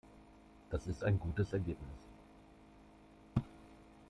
Das ist ein gutes Ergebnis.